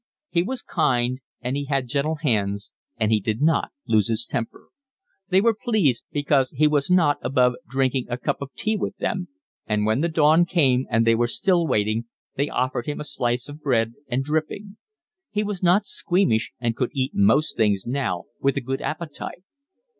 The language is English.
He was kind, and he had gentle hands, and he did not lose his temper. They were pleased because he was not above drinking a cup of tea with them, and when the dawn came and they were still waiting they offered him a slice of bread and dripping; he was not squeamish and could eat most things now with a good appetite.